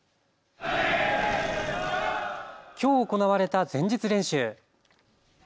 きょう行われた前日練習。